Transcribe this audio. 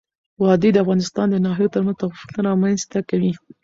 وادي د افغانستان د ناحیو ترمنځ تفاوتونه رامنځ ته کوي.